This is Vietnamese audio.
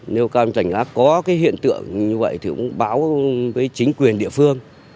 nếu các đối tượng có cái hiện tượng như vậy thì cũng báo với chính quyền địa phương